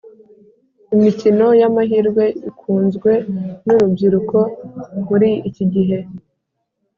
Imikino yamahirwe ikunzwe nurubyiruko mur iki gihe